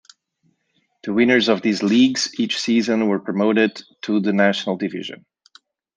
The winners of these leagues each season were promoted to the National Division.